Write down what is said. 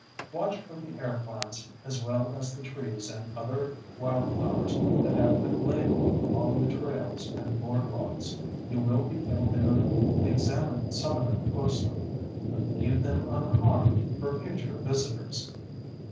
Watch for the air plants (as well as the trees and other wildflowers) that have been labeled along the trails and boardwalks. You will be able to examine some of them closely—but leave them unharmed for future visitors!